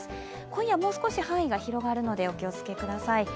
今夜もう少し範囲が広がるのでお気をつけください。